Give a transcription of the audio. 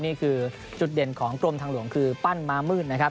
นี่คือจุดเด่นของกรมทางหลวงคือปั้นม้ามืดนะครับ